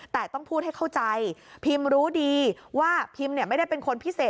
แต่ต้องพูดให้เข้าใจพิมรู้ดีว่าพิมไม่ได้เป็นคนพิเศษ